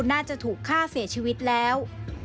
น่าจะถูกฆ่าเสียชีวิตแล้ว